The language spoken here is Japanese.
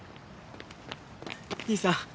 兄さん！